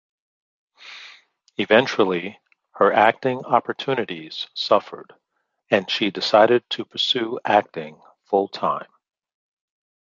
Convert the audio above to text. Eventually, her acting opportunities suffered and she decided to pursue acting full-time.